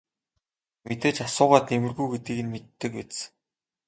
Мэдээж асуугаад нэмэргүй гэдгийг нь мэддэг биз.